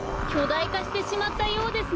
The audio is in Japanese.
いかしてしまったようですね。